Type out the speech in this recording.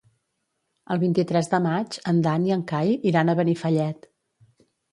El vint-i-tres de maig en Dan i en Cai iran a Benifallet.